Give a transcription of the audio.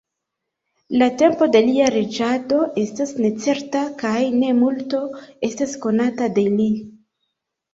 La tempo de lia reĝado estas necerta kaj ne multo estas konata de li.